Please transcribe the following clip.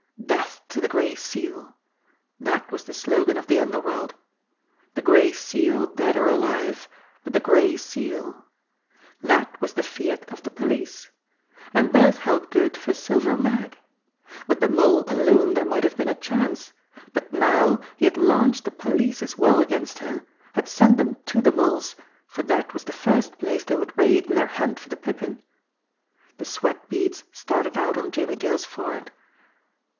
"Death to the Gray Seal!" that was the slogan of the underworld. "The Gray Seal dead or alive but the Gray Seal" that was the fiat of the police. And both held good for Silver Mag! With the Mole alone there might have been a chance but now, he had launched the police as well against her, had sent them to the Mole's, for that was the first place they would raid in their hunt for the Pippin. The sweat beads started out on Jimmie Dale's forehead.